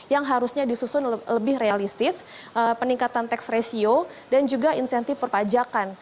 yang harusnya disusun lebih realistis peningkatan tax ratio dan juga insentif perpajakan